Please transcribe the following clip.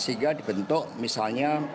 sehingga dibentuk misalnya